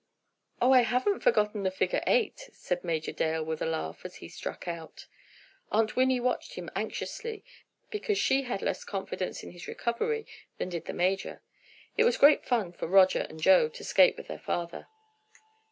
"Oh, I haven't forgotten the figure eight," said Major Dale, with a laugh, as he struck out. Aunt Winnie watched him anxiously because she had less confidence in his recovery than did the major. It was great fun for Roger and Joe to skate with their father.